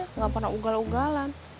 motornya gak pernah ugal ugalan